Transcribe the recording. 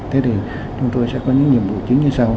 thế thì chúng tôi sẽ có những nhiệm vụ chính như sau